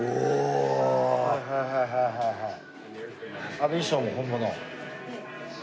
あの衣装も本物？